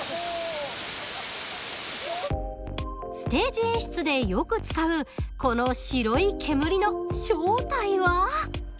ステージ演出でよく使うこの白い煙の正体は？